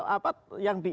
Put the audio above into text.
apa yang di icw